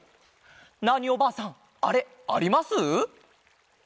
ナーニおばあさんあれあります？